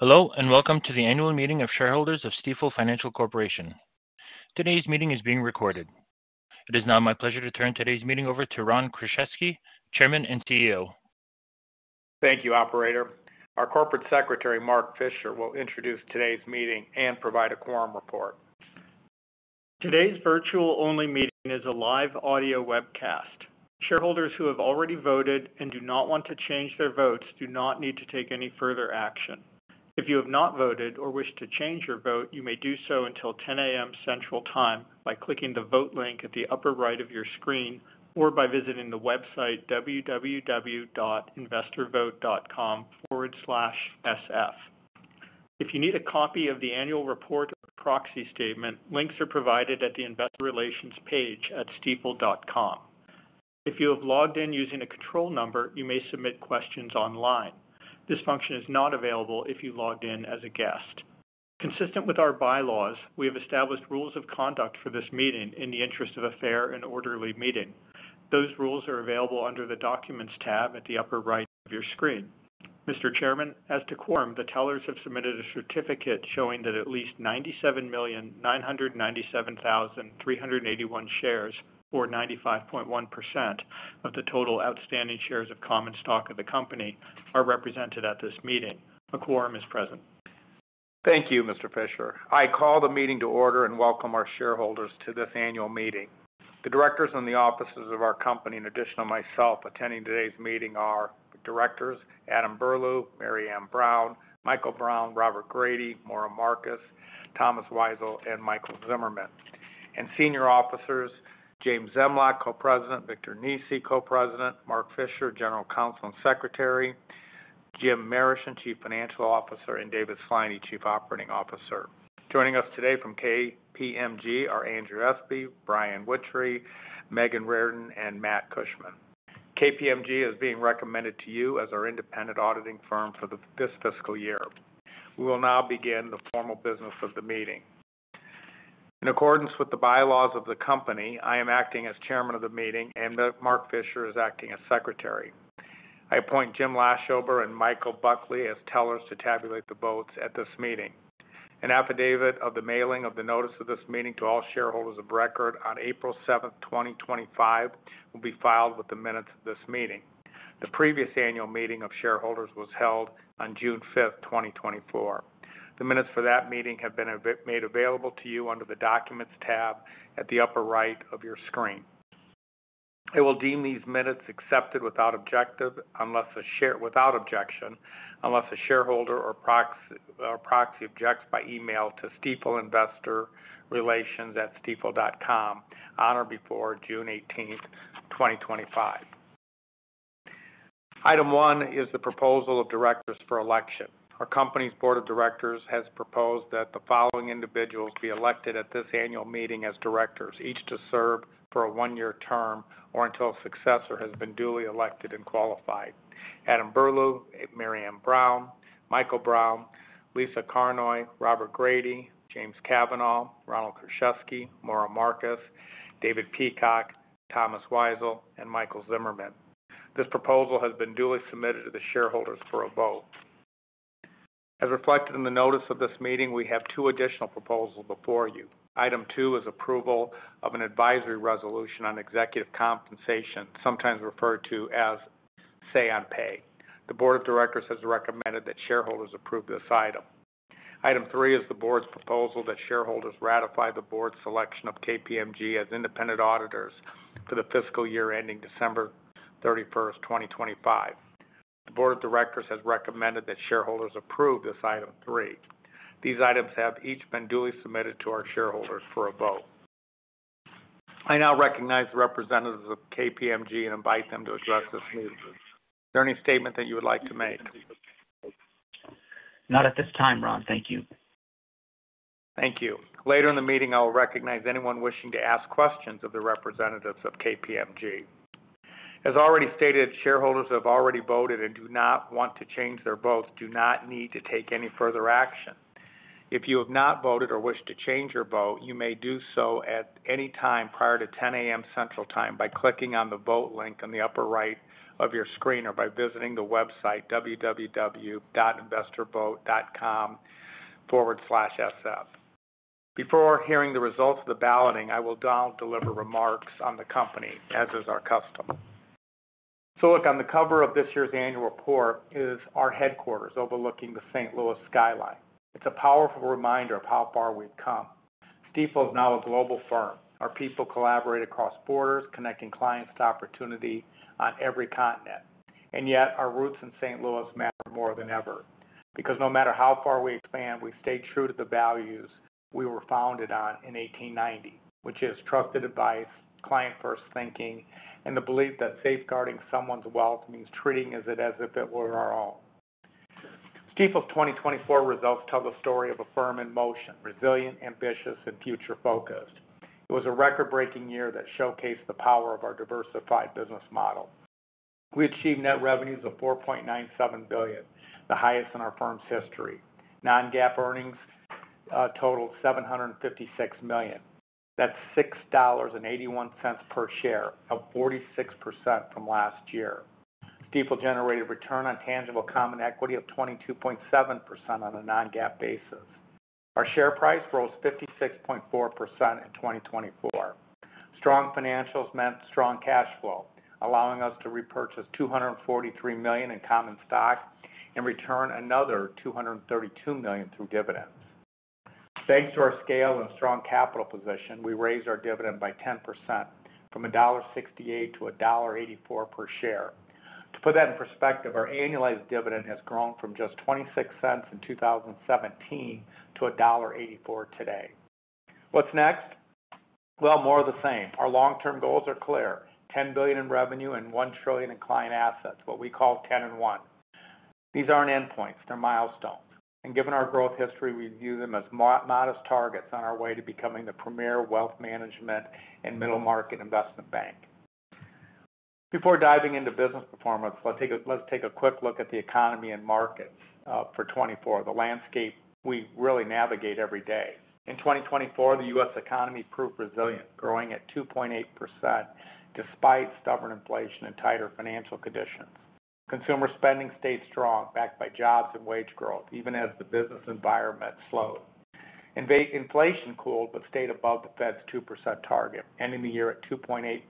Hello, and welcome to the annual meeting of shareholders of Stifel Financial Corporation. Today's meeting is being recorded. It is now my pleasure to turn today's meeting over to Ron Kruszewski, Chairman and CEO. Thank you, Operator. Our Corporate Secretary, Mark Fisher, will introduce today's meeting and provide a quorum report. Today's virtual-only meeting is a live audio webcast. Shareholders who have already voted and do not want to change their votes do not need to take any further action. If you have not voted or wish to change your vote, you may do so until 10:00 A.M. Central Time by clicking the vote link at the upper right of your screen or by visiting the website www.investorvote.com/sf. If you need a copy of the annual report or proxy statement, links are provided at the investor relations page at stifel.com. If you have logged in using a control number, you may submit questions online. This function is not available if you logged in as a guest. Consistent with our bylaws, we have established rules of conduct for this meeting in the interest of a fair and orderly meeting. Those rules are available under the documents tab at the upper right of your screen. Mr. Chairman, as to quorum, the tellers have submitted a certificate showing that at least 97,997,381 shares, or 95.1% of the total outstanding shares of common stock of the company, are represented at this meeting. A quorum is present. Thank you, Mr. Fisher. I call the meeting to order and welcome our shareholders to this annual meeting. The directors and the officers of our company, in addition to myself attending today's meeting, are directors Adam Berlew, Maryam Brown, Michael Brown, Robert Grady, Maura Markus, Thomas Weisel, and Michael Zimmerman. Senior officers James Zemlock, co-president; Victor Nesi, co-president; Mark Fisher, general counsel and secretary; Jim Marischen, chief financial officer; and David Sliney, chief operating officer. Joining us today from KPMG are Andrew Espe, Brian Witcher, Megan Rardon, and Matt Cushman. KPMG is being recommended to you as our independent auditing firm for this fiscal year. We will now begin the formal business of the meeting. In accordance with the bylaws of the company, I am acting as chairman of the meeting, and Mark Fisher is acting as secretary. I appoint Jim Laschober and Michael Buckley as tellers to tabulate the votes at this meeting. An affidavit of the mailing of the notice of this meeting to all shareholders of record on April 7th, 2025, will be filed with the minutes of this meeting. The previous annual meeting of shareholders was held on June 5th, 2024. The minutes for that meeting have been made available to you under the documents tab at the upper right of your screen. I will deem these minutes accepted without objection unless a shareholder or proxy objects by email to stifelinvestorrelations@stifel.com on or before June 18th, 2025. Item one is the proposal of directors for election. Our company's board of directors has proposed that the following individuals be elected at this annual meeting as directors, each to serve for a one-year term or until a successor has been duly elected and qualified: Adam Berlew, Maryam Brown, Michael Brown, Lisa Carnoy, Robert Grady, James Kavanaugh, Ron Kruszewski, Maura Markus, David Peacock, Thomas Weisel, and Michael Zimmerman. This proposal has been duly submitted to the shareholders for a vote. As reflected in the notice of this meeting, we have two additional proposals before you. Item two is approval of an advisory resolution on executive compensation, sometimes referred to as say-on-pay. The board of directors has recommended that shareholders approve this item. Item three is the board's proposal that shareholders ratify the board's selection of KPMG as independent auditors for the fiscal year ending December 31st, 2025. The board of directors has recommended that shareholders approve this item three. These items have each been duly submitted to our shareholders for a vote. I now recognize the representatives of KPMG and invite them to address this meeting. Is there any statement that you would like to make? Not at this time, Ron. Thank you. Thank you. Later in the meeting, I will recognize anyone wishing to ask questions of the representatives of KPMG. As already stated, shareholders who have already voted and do not want to change their votes do not need to take any further action. If you have not voted or wish to change your vote, you may do so at any time prior to 10:00 A.M. Central Time by clicking on the vote link on the upper right of your screen or by visiting the website www.investorvote.com/sf. Before hearing the results of the balloting, I will now deliver remarks on the company, as is our custom. On the cover of this year's annual report is our headquarters overlooking the St. Louis skyline. It is a powerful reminder of how far we have come. Stifel is now a global firm. Our people collaborate across borders, connecting clients to opportunity on every continent. Yet, our roots in St. Louis matter more than ever because no matter how far we expand, we stay true to the values we were founded on in 1890, which is trusted advice, client-first thinking, and the belief that safeguarding someone's wealth means treating it as if it were our own. Stifel's 2024 results tell the story of a firm in motion, resilient, ambitious, and future-focused. It was a record-breaking year that showcased the power of our diversified business model. We achieved net revenues of $4.97 billion, the highest in our firm's history. Non-GAAP earnings totaled $756 million. That's $6.81 per share, up 46% from last year. Stifel generated return on tangible common equity of 22.7% on a Non-GAAP basis. Our share price rose 56.4% in 2024. Strong financials meant strong cash flow, allowing us to repurchase $243 million in common stock and return another $232 million through dividends. Thanks to our scale and strong capital position, we raised our dividend by 10% from $1.68 to $1.84 per share. To put that in perspective, our annualized dividend has grown from just $0.26 in 2017 to $1.84 today. What is next? More of the same. Our long-term goals are clear: $10 billion in revenue and $1 trillion in client assets, what we call 10 in 1. These are not endpoints; they are milestones. Given our growth history, we view them as modest targets on our way to becoming the premier wealth management and middle-market investment bank. Before diving into business performance, let's take a quick look at the economy and markets for 2024, the landscape we really navigate every day. In 2024, the U.S. economy proved resilient, growing at 2.8% despite stubborn inflation and tighter financial conditions. Consumer spending stayed strong, backed by jobs and wage growth, even as the business environment slowed. Inflation cooled but stayed above the Fed's 2% target, ending the year at 2.8%,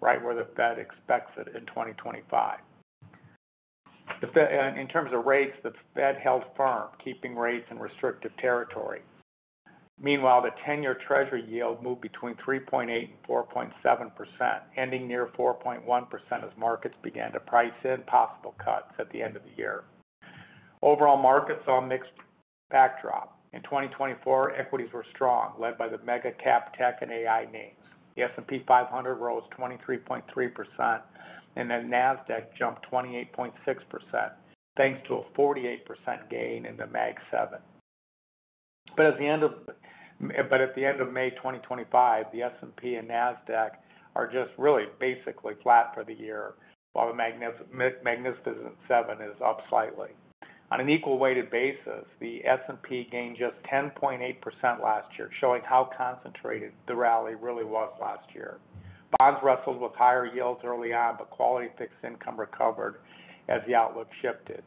right where the Fed expects it in 2025. In terms of rates, the Fed held firm, keeping rates in restrictive territory. Meanwhile, the 10-year Treasury yield moved between 3.8% and 4.7%, ending near 4.1% as markets began to price in possible cuts at the end of the year. Overall, markets saw a mixed backdrop. In 2024, equities were strong, led by the mega-cap tech and AI names. The S&P 500 rose 23.3%, and the Nasdaq jumped 28.6%, thanks to a 48% gain in the MAG 7. At the end of May 2025, the S&P and Nasdaq are just really basically flat for the year, while the MAG 7 is up slightly. On an equal-weighted basis, the S&P 500 gained just 10.8% last year, showing how concentrated the rally really was last year. Bonds wrestled with higher yields early on, but quality fixed income recovered as the outlook shifted.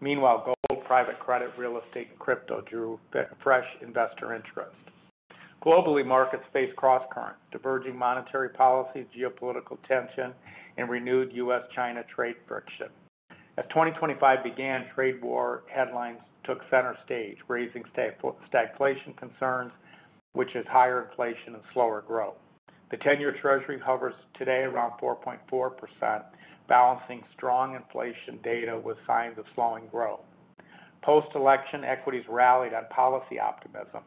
Meanwhile, gold, private credit, real estate, and crypto drew fresh investor interest. Globally, markets faced cross-currents: diverging monetary policy, geopolitical tension, and renewed U.S.-China trade friction. As 2025 began, trade war headlines took center stage, raising stagflation concerns, which is higher inflation and slower growth. The 10-year Treasury hovers today around 4.4%, balancing strong inflation data with signs of slowing growth. Post-election, equities rallied on policy optimism,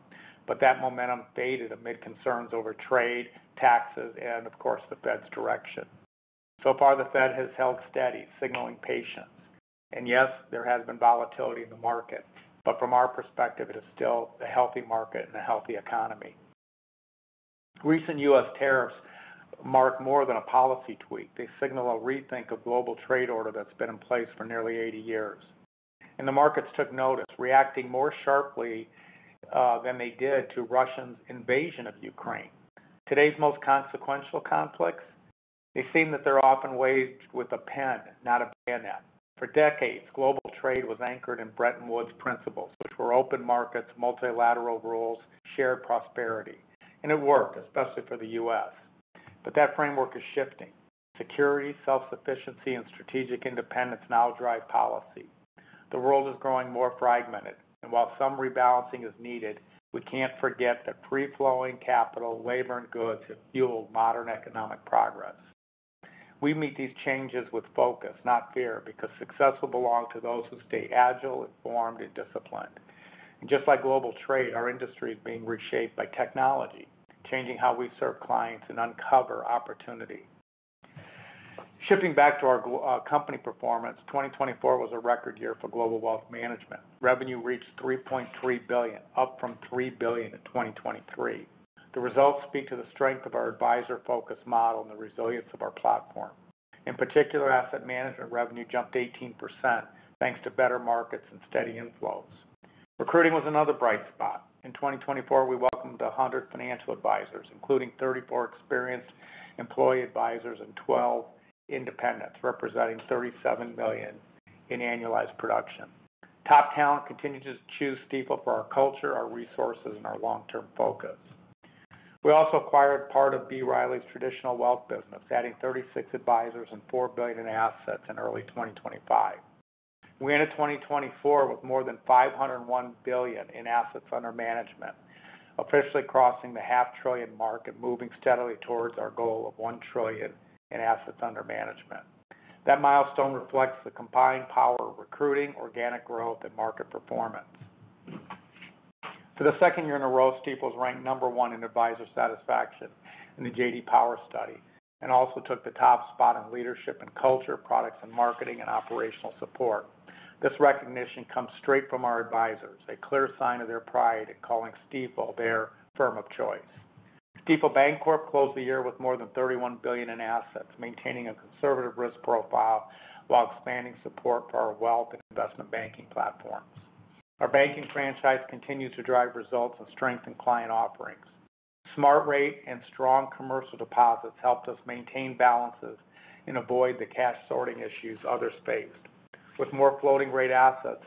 but that momentum faded amid concerns over trade, taxes, and, of course, the Fed's direction. The Fed has held steady, signaling patience. Yes, there has been volatility in the market, but from our perspective, it is still a healthy market and a healthy economy. Recent U.S. tariffs mark more than a policy tweak. They signal a rethink of the global trade order that has been in place for nearly 80 years. The markets took notice, reacting more sharply than they did to Russia's invasion of Ukraine. Today's most consequential conflicts? They seem that they're often weighed with a pen, not a bayonet. For decades, global trade was anchored in Bretton Woods principles, which were open markets, multilateral rules, shared prosperity. It worked, especially for the U.S. That framework is shifting. Security, self-sufficiency, and strategic independence now drive policy. The world is growing more fragmented, and while some rebalancing is needed, we can't forget that free-flowing capital, labor, and goods have fueled modern economic progress. We meet these changes with focus, not fear, because success will belong to those who stay agile, informed, and disciplined. Just like global trade, our industry is being reshaped by technology, changing how we serve clients and uncover opportunity. Shifting back to our company performance, 2024 was a record year for global wealth management. Revenue reached $3.3 billion, up from $3 billion in 2023. The results speak to the strength of our advisor-focused model and the resilience of our platform. In particular, asset management revenue jumped 18%, thanks to better markets and steady inflows. Recruiting was another bright spot. In 2024, we welcomed 100 financial advisors, including 34 experienced employee advisors and 12 independents, representing $37 million in annualized production. Top talent continues to choose Stifel for our culture, our resources, and our long-term focus. We also acquired part of B. Reilly's traditional wealth business, adding 36 advisors and $4 billion in assets in early 2025. We ended 2024 with more than $501 billion in assets under management, officially crossing the half-trillion mark and moving steadily towards our goal of $1 trillion in assets under management. That milestone reflects the combined power of recruiting, organic growth, and market performance. For the second year in a row, Stifel is ranked number one in advisor satisfaction in the J.D. Power study and also took the top spot in leadership and culture, products, marketing, and operational support. This recognition comes straight from our advisors, a clear sign of their pride in calling Stifel their firm of choice. Stifel Bancorp closed the year with more than $31 billion in assets, maintaining a conservative risk profile while expanding support for our wealth and investment banking platforms. Our banking franchise continues to drive results and strengthen client offerings. Smart rate and strong commercial deposits helped us maintain balances and avoid the cash sorting issues others faced. With more floating-rate assets,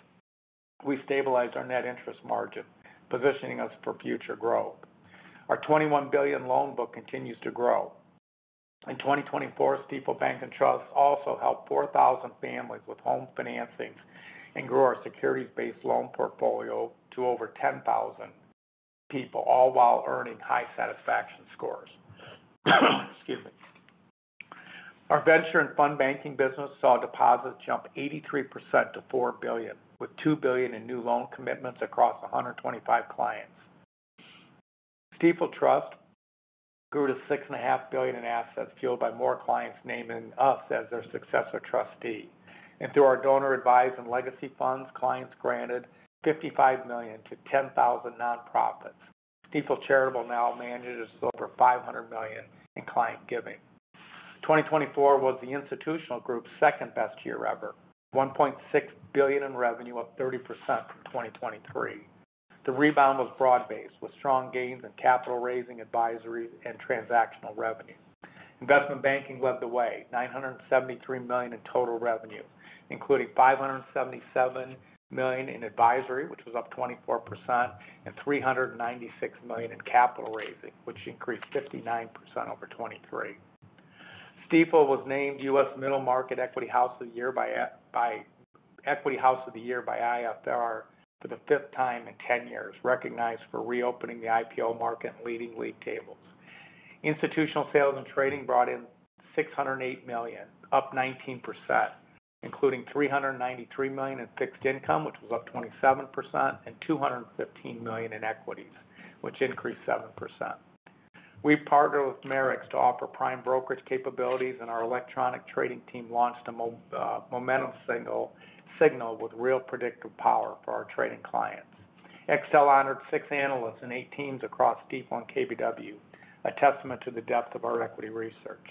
we stabilized our net interest margin, positioning us for future growth. Our $21 billion loan book continues to grow. In 2024, Stifel Bank & Trust also helped 4,000 families with home financing and grew our securities-based loan portfolio to over 10,000 people, all while earning high satisfaction scores. Excuse me. Our venture and fund banking business saw deposits jump 83% to $4 billion, with $2 billion in new loan commitments across 125 clients. Stifel Trust grew to $6.5 billion in assets, fueled by more clients naming us as their successor trustee. Through our donor, advisor, and legacy funds, clients granted $55 million to 10,000 nonprofits. Stifel Charitable now manages over $500 million in client giving. 2024 was the institutional group's second-best year ever, $1.6 billion in revenue, up 30% from 2023. The rebound was broad-based, with strong gains in capital raising, advisory, and transactional revenue. Investment banking led the way, $973 million in total revenue, including $577 million in advisory, which was up 24%, and $396 million in capital raising, which increased 59% over 2023. Stifel was named U.S. Middle Market Equity House of the Year by IFR for the fifth time in 10 years, recognized for reopening the IPO market and leading league tables. Institutional sales and trading brought in $608 million, up 19%, including $393 million in fixed income, which was up 27%, and $215 million in equities, which increased 7%. We partnered with Merrick's to offer prime brokerage capabilities, and our electronic trading team launched a momentum signal with real predictive power for our trading clients. Excel honored six analysts and eight teams across Stifel and KBW, a testament to the depth of our equity research.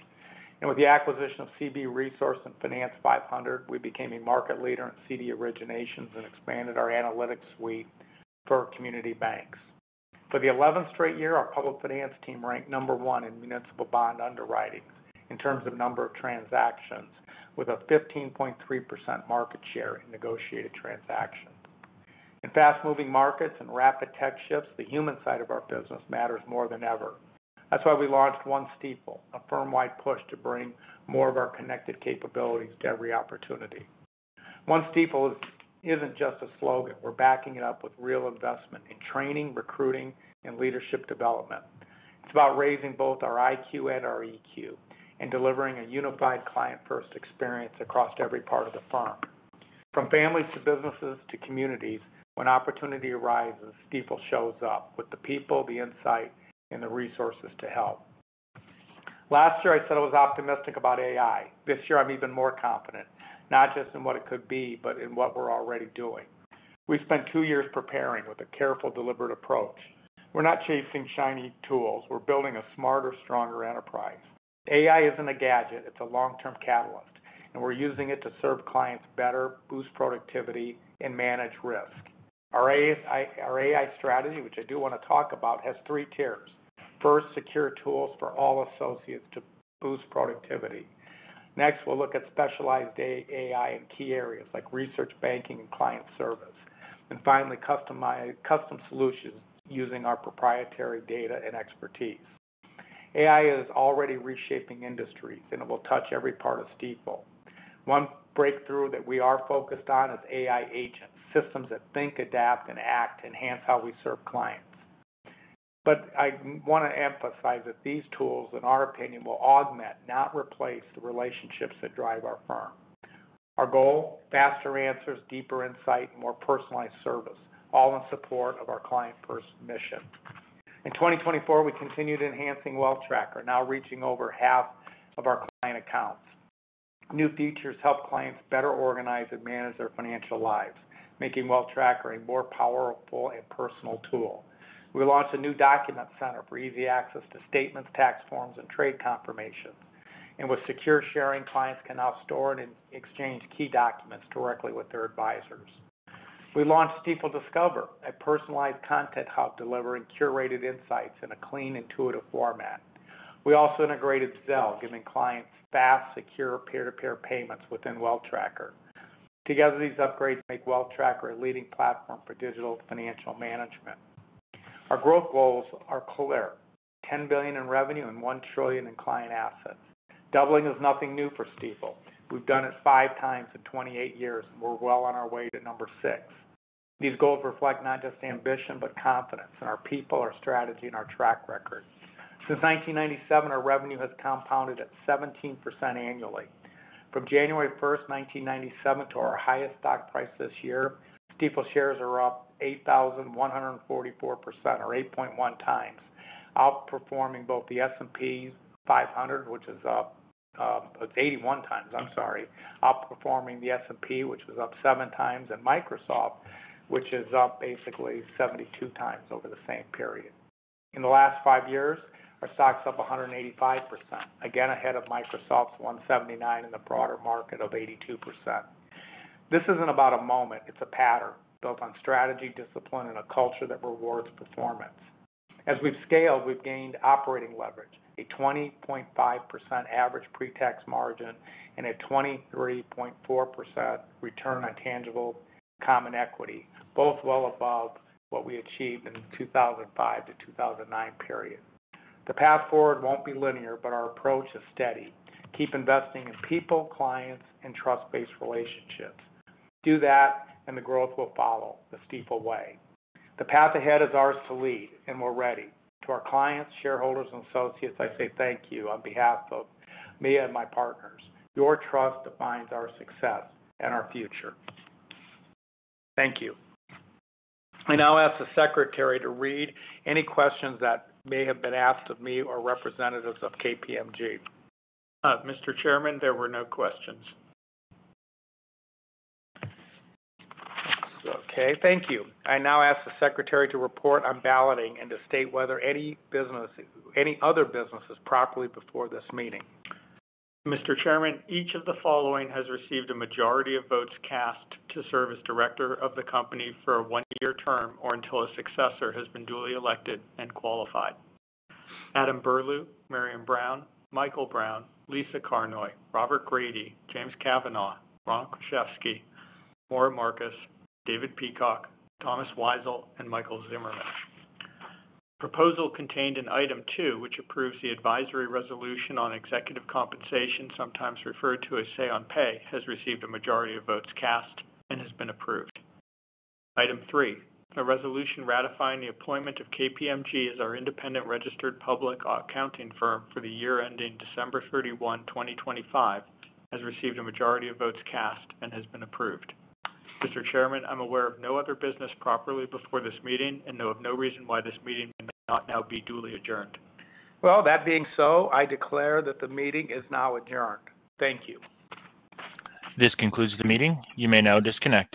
With the acquisition of CB Resource and Finance 500, we became a market leader in CD originations and expanded our analytics suite for community banks. For the 11th straight year, our public finance team ranked number one in municipal bond underwriting in terms of number of transactions, with a 15.3% market share in negotiated transactions. In fast-moving markets and rapid tech shifts, the human side of our business matters more than ever. That is why we launched One Stifel, a firm-wide push to bring more of our connected capabilities to every opportunity. One Stifel is not just a slogan. We are backing it up with real investment in training, recruiting, and leadership development. It's about raising both our IQ and our EQ and delivering a unified client-first experience across every part of the firm. From families to businesses to communities, when opportunity arises, Stifel shows up with the people, the insight, and the resources to help. Last year, I said I was optimistic about AI. This year, I'm even more confident, not just in what it could be, but in what we're already doing. We spent two years preparing with a careful, deliberate approach. We're not chasing shiny tools. We're building a smarter, stronger enterprise. AI isn't a gadget. It's a long-term catalyst. We're using it to serve clients better, boost productivity, and manage risk. Our AI strategy, which I do want to talk about, has three tiers. First, secure tools for all associates to boost productivity. Next, we'll look at specialized AI in key areas like research, banking, and client service. Finally, custom solutions using our proprietary data and expertise. AI is already reshaping industries, and it will touch every part of Stifel. One breakthrough that we are focused on is AI agents, systems that think, adapt, and act, enhance how we serve clients. I want to emphasize that these tools, in our opinion, will augment, not replace, the relationships that drive our firm. Our goal? Faster answers, deeper insight, and more personalized service, all in support of our client-first mission. In 2024, we continued enhancing Wealth Tracker, now reaching over half of our client accounts. New features help clients better organize and manage their financial lives, making Wealth Tracker a more powerful and personal tool. We launched a new document center for easy access to statements, tax forms, and trade confirmations. With secure sharing, clients can now store and exchange key documents directly with their advisors. We launched Stifel Discover, a personalized content hub delivering curated insights in a clean, intuitive format. We also integrated Zelle, giving clients fast, secure peer-to-peer payments within Wealth Tracker. Together, these upgrades make Wealth Tracker a leading platform for digital financial management. Our growth goals are clear: $10 billion in revenue and $1 trillion in client assets. Doubling is nothing new for Stifel. We've done it 5x in 28 years, and we're well on our way to number six. These goals reflect not just ambition, but confidence in our people, our strategy, and our track record. Since 1997, our revenue has compounded at 17% annually. From January 1, 1997, to our highest stock price this year, Stifel shares are up 8,144%, or 8.1x, outperforming both the S&P 500, which is up 81x, I'm sorry, outperforming the S&P, which was up 7x, and Microsoft, which is up basically 72x over the same period. In the last five years, our stock's up 185%, again ahead of Microsoft's 179 and the broader market of 82%. This isn't about a moment. It's a pattern built on strategy, discipline, and a culture that rewards performance. As we've scaled, we've gained operating leverage, a 20.5% average pre-tax margin, and a 23.4% return on tangible common equity, both well above what we achieved in the 2005 to 2009 period. The path forward won't be linear, but our approach is steady. Keep investing in people, clients, and trust-based relationships. Do that, and the growth will follow the Stifel way. The path ahead is ours to lead, and we're ready. To our clients, shareholders, and associates, I say thank you on behalf of Mia and my partners. Your trust defines our success and our future. Thank you. I now ask the secretary to read any questions that may have been asked of me or representatives of KPMG. Mr. Chairman, there were no questions. Okay. Thank you. I now ask the secretary to report on balloting and to state whether any other business is properly before this meeting. Mr. Chairman, each of the following has received a majority of votes cast to serve as director of the company for a one-year term or until a successor has been duly elected and qualified: Adam Berlew, Maryam Brown, Michael Brown, Lisa Carnoy, Robert Grady, James Kavanaugh, Ron Kruszewski, Maura Markus, David Peacock, Thomas Weisel, and Michael Zimmerman. The proposal contained in item two, which approves the advisory resolution on executive compensation, sometimes referred to as say-on-pay, has received a majority of votes cast and has been approved. Item three, a resolution ratifying the appointment of KPMG as our independent registered public accounting firm for the year ending December 31, 2025, has received a majority of votes cast and has been approved. Mr. Chairman, I'm aware of no other business properly before this meeting and know of no reason why this meeting may not now be duly adjourned. That being so, I declare that the meeting is now adjourned. Thank you. This concludes the meeting. You may now disconnect.